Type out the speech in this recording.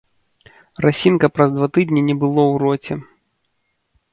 Расiнка праз два тыднi не было ў роце...